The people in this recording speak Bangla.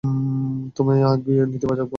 তোমার একগুঁয়ে ইতিবাচকতাকে।